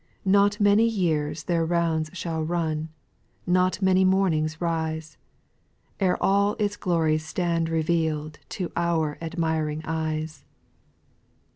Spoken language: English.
8. Not many years their rounds shall run. Not many mornings rise, E'er all its glories stand reveaPd To our admiring eyes.